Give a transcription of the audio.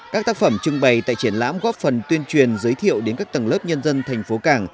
các tác phẩm trưng bày tại triển lãm góp phần tuyên truyền giới thiệu đến các tầng lớp nhân dân thành phố cảng